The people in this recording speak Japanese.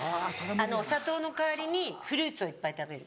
お砂糖の代わりにフルーツをいっぱい食べる。